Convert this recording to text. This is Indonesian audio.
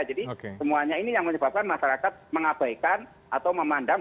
jadi semuanya ini yang menyebabkan masyarakat mengabaikan atau memandang